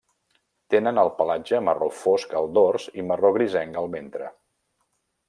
Tenen el pelatge marró fosc al dors i marró grisenc al ventre.